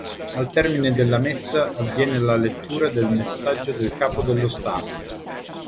Al termine della Messa avviene la lettura del messaggio del Capo dello Stato.